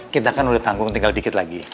kita kan udah tanggung tinggal dikit lagi